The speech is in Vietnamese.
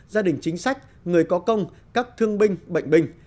gia đình chính sách người có công các thương binh bệnh binh